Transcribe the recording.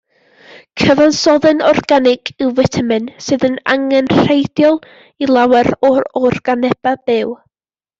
Cyfansoddyn organig yw fitamin, sydd yn angenrheidiol i lawer o organebau byw.